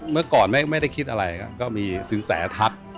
เมื่อก่อนไม่ได้คิดอะไรก็มีสินแสทัก